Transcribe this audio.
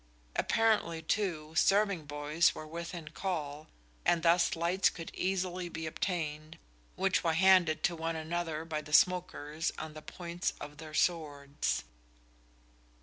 Apparently, too, serving boys were within call, and thus lights could easily be obtained, which were handed to one another by the smokers on the points of their swords.